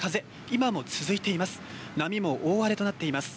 今も続いています。